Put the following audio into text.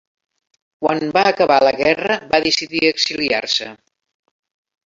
Quan va acabar la guerra va decidir exiliar-se.